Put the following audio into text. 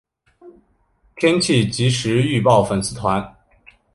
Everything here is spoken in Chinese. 天气即时预报粉丝团